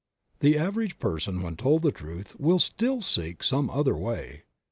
The average person when told the Truth will still seek some other way.